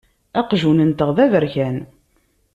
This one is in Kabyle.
Aqjun-nteɣ d aberkan.